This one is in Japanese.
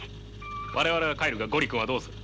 我々は帰るが五里君はどうする？